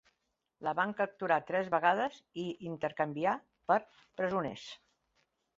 La van capturar tres vegades i intercanviar per presoners.